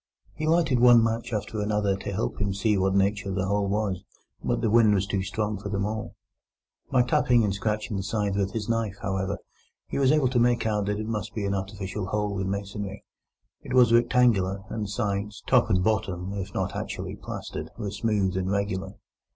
He lighted one match after another to help him to see of what nature the hole was, but the wind was too strong for them all. By tapping and scratching the sides with his knife, however, he was able to make out that it must be an artificial hole in masonry. It was rectangular, and the sides, top, and bottom, if not actually plastered, were smooth and regular.